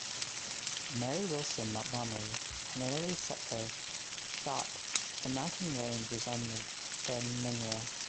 Mary Wilson Montgomery an early settler thought the mountain range resembled the Munro.